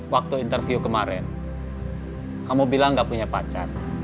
waktu interview kemarin kamu bilang gak punya pacar